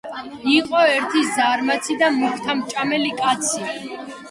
იყო ერთი ზარმაცი და მუქთამჭამელი კაცი